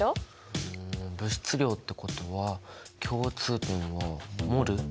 うん物質量ってことは共通点はｍｏｌ？